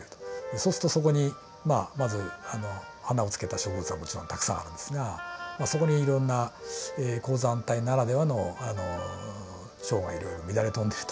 そうするとそこにまあまず花をつけた植物はもちろんたくさんあるんですがそこにいろんな高山帯ならではのチョウがいろいろ乱れ飛んでると。